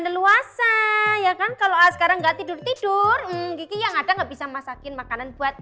leluasa ya kan kalau sekarang enggak tidur tidur gigi yang ada nggak bisa masakin makanan buat